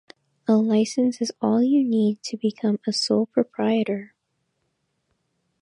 A license is all you need to become a sole proprietor.